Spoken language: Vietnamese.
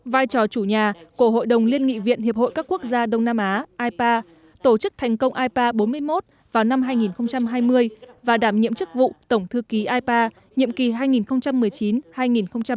vai trò chủ nhà của hội đồng liên nghị viện hiệp hội các quốc gia đông nam á ipa tổ chức thành công ipa bốn mươi một vào năm hai nghìn hai mươi và đảm nhiệm chức vụ tổng thư ký ipa nhiệm kỳ hai nghìn một mươi chín hai nghìn hai mươi